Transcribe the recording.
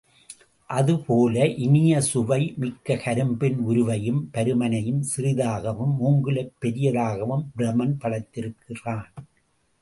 அதேபோல இனிய சுவை மிக்க கரும்பின் உருவையும் பருமனையும் சிறிதாகவும், மூங்கிலைப் பெரியதாகவும் பிரமன் படைத்திருக்கிறான்!